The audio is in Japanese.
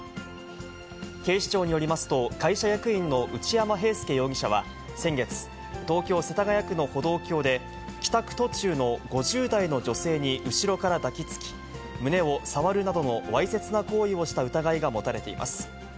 警視庁によりますと、会社役員の内山平祐容疑者は先月、東京・世田谷区の歩道橋で、帰宅途中の５０代の女性に後ろから抱きつき、胸を触るなどのわいせつな行為をした疑いが持たれています。